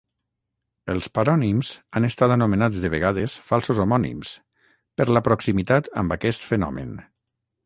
Els parònims han estat anomenats de vegades falsos homònims, per la proximitat amb aquest fenomen.